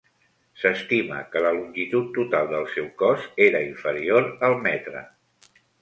S'estima que la longitud total del seu cos era inferior al metre.